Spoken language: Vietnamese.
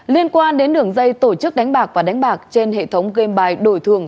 liên quan đến đường dây tổ chức đánh bạc và đánh bạc trên hệ thống game bài đổi thường